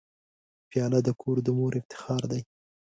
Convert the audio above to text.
پیاله د کور د مور افتخار دی.